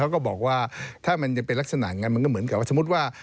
แล้วก็บอกว่าถ้ามันจะเป็นลักษณะอย่างนั้นมันก็เหมือนกับว่าสมมุติว่า